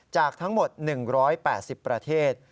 จากทั้งหมด๑๘๐ประเทศ